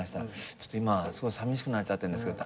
ちょっと今さみしくなっちゃってんですけど。